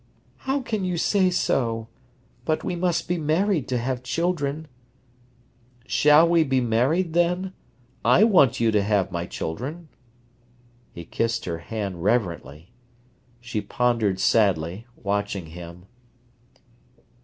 "How can you say so? But we must be married to have children—" "Shall we be married, then? I want you to have my children." He kissed her hand reverently. She pondered sadly, watching him.